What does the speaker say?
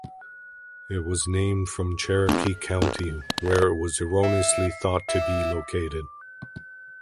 It was named from Cherokee County, where it was erroneously thought to be located.